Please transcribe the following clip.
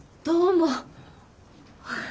どうも。